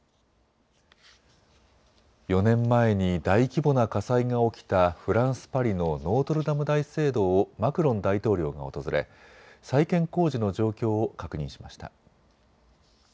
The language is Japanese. ４年前に大規模な火災が起きたフランス・パリのノートルダム大聖堂をマクロン大統領が訪れ再建工事の状況を確認しました。